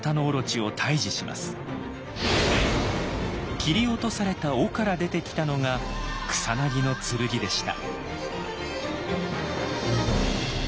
切り落とされた尾から出てきたのが草薙剣でした。